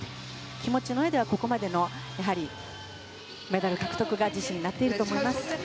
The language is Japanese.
気持ちのうえではメダル獲得が自信になっていると思います。